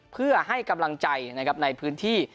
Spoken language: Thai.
เพื่อให้กำลังใจนะครับในพื้นที่